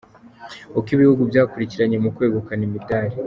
Uko ibihugu byakurikiranye mu kwegukana imidari